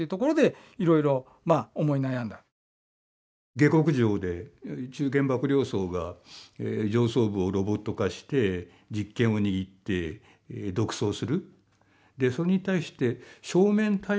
下克上で中堅幕僚層が上層部をロボット化して実権を握って独走する。